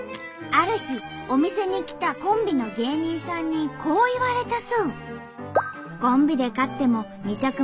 ある日お店に来たコンビの芸人さんにこう言われたそう。